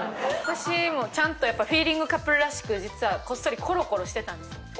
私もちゃんとフィーリングカップルらしくこっそりコロコロしてたんですよ。